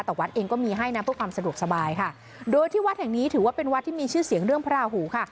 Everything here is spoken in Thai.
แต่วัดเองก็มีให้นะเพื่อความสะดวกสบายค่ะโดยที่วัดแห่งนี้ถือว่าเป็นวัดที่มีชื่อเสียงเรื่องพระราหูค่ะ